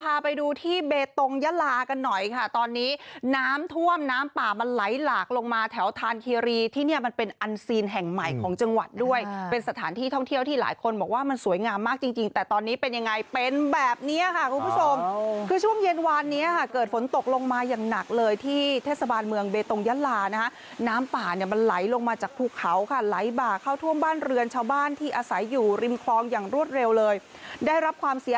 พาไปดูที่เบตงยาลากันหน่อยค่ะตอนนี้น้ำท่วมน้ำป่ามันไหลหลากลงมาแถวธานเครีที่นี่มันเป็นอันซีนแห่งใหม่ของจังหวัดด้วยเป็นสถานที่ท่องเที่ยวที่หลายคนบอกว่ามันสวยงามมากจริงแต่ตอนนี้เป็นยังไงเป็นแบบนี้ค่ะคุณผู้ชมคือช่วงเย็นวานนี้เกิดฝนตกลงมาอย่างหนักเลยที่เทศบาลเมืองเบตงยาลา